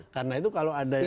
karena itu kalau ada yang